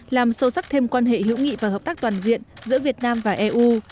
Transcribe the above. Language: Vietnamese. làm sâu sắc thêm quan hệ hữu nghị và hợp tác toàn diện giữa việt nam và eu